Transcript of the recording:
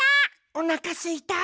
おなかすいた！